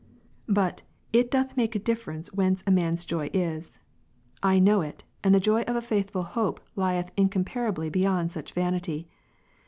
But " it doth make a dif ference whence a man's joy is." I know it, and the joy of a faithful hope lieth incomparably beyond such vanity.